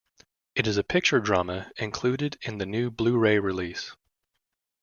It is a picture drama included in the new Blu-ray release.